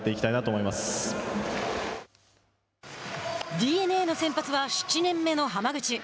ＤｅＮＡの先発は７年目の浜口。